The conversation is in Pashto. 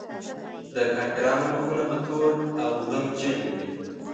د کافرانو مخونه به تور او غمجن وي.